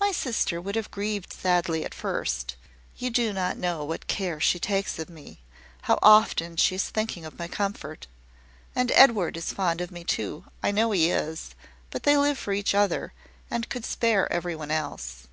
"My sister would have grieved sadly at first you do not know what care she takes of me how often she is thinking of my comfort. And Edward is fond of me too: I know he is; but they live for each other, and could spare every one else.